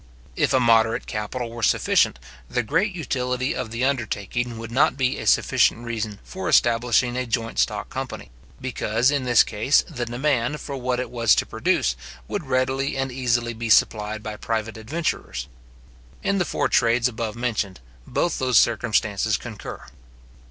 If a moderate capital were sufficient, the great utility of the undertaking would not be a sufficient reason for establishing a joint stock company; because, in this case, the demand for what it was to produce, would readily and easily be supplied by private adventurers. In the four trades above mentioned, both those circumstances concur.